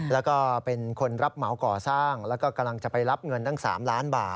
แล้วก็เป็นคนรับเหมาก่อสร้างแล้วก็กำลังจะไปรับเงินตั้ง๓ล้านบาท